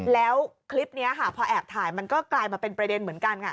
แล้วคลิปนี้ค่ะพอแอบถ่ายมันก็กลายมาเป็นประเด็นเหมือนกัน